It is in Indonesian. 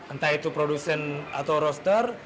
entah itu produsen atau roster